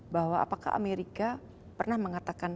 bahwa apakah amerika pernah mengatakan